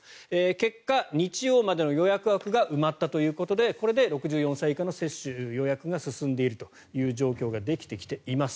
結果、日曜までの予約枠が埋まったということでこれで６４歳以下の接種予約が進んでいるという状況ができてきています。